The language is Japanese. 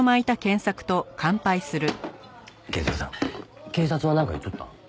賢作さん警察はなんか言っとった？